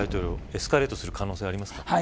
エスカレートする可能性はありますか。